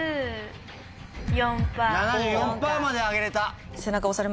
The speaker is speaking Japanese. ７４％まで上げれた。